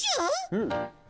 うん。